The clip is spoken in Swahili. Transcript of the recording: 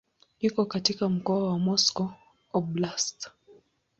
Iko katika mkoa wa Moscow Oblast.